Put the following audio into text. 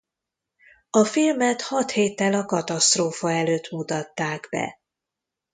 A filmet hat héttel a katasztrófa előtt mutatták be.